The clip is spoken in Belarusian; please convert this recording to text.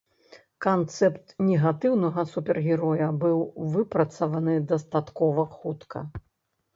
Канцэпт негатыўнага супергероя быў выпрацаваны дастаткова хутка.